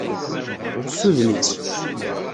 Ssuden-itt.